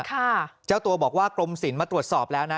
เจ้าตัวบอกว่ากรมศิลป์มาตรวจสอบแล้วนะ